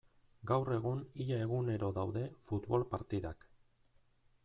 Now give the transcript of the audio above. Gaur egun ia egunero daude futbol partidak.